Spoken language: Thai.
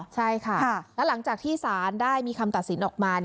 ใช่ค่ะแล้วหลังจากที่สารได้มีคำตัดสินออกมา